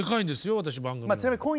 私番組の。